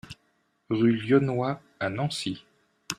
Rue Lionnois à Nancy